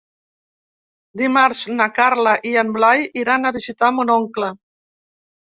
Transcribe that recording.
Dimarts na Carla i en Blai iran a visitar mon oncle.